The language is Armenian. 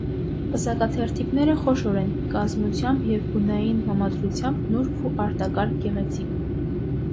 Պսակաթերթիկները խոշոր են, կազմությամբ և գունային համադրությամբ նուրբ ու արտակարգ գեղեցիկ։